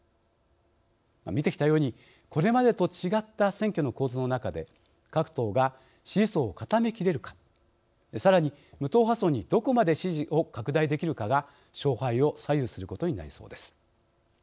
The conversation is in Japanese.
見てきたようにこれまでと違った選挙の構図の中で各党が支持層を固めきれるかさらに無党派層にどこまで支持を拡大できるかが勝敗を左右することになりそうです。